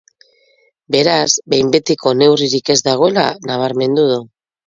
Beraz, behin betiko neurririk ez dagoela nabarmendu du.